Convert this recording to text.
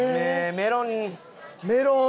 メロン！